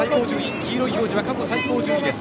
黄色い表示は過去最高順位です。